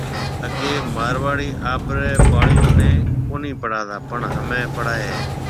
اگَي مارواڙي آپرَي ٻاݪيون ني ڪونِي پڙھاتا پڻ ھمي پڙھائَي ھيَََ